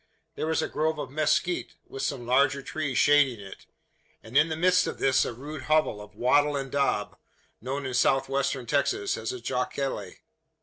There was a grove of mezquit, with, some larger trees shading it; and in the midst of this, a rude hovel of "wattle and dab," known in South Western Texas as a jacale.